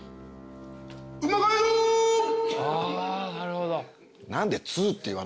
ああなるほど。